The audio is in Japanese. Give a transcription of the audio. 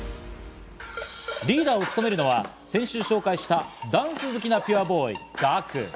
リーダーを務めるのは先週紹介した、ダンス好きなピュアボーイ、ＧＡＫＵ。